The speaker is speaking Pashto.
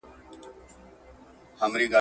تاسي ولي د مسلمانانو په یووالي کي شک کړی دی؟